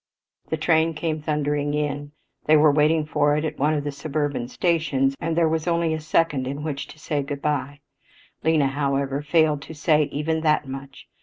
The train came thundering in they were waiting for it at one of the suburban stations and there was only a second in which to say good bye. Lena, however, failed to say even that much.